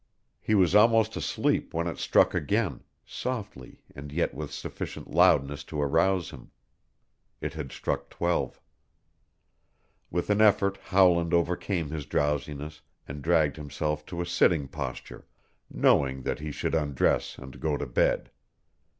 He was almost asleep when it struck again softly, and yet with sufficient loudness to arouse him. It had struck twelve. With an effort Howland overcame his drowsiness and dragged himself to a sitting posture, knowing that he should undress and go to bed.